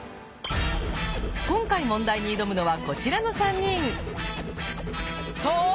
今回問題に挑むのはこちらの３人。